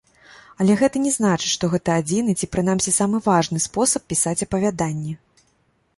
Але гэта не значыць, што гэта адзіны, ці прынамсі самы важны спосаб пісаць апавяданні.